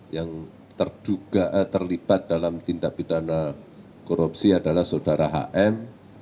yang terlibat dalam tindak bidana korupsi adalah sodara hm